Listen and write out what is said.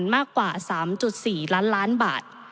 มากกว่า๓๔ล้านล้านบาท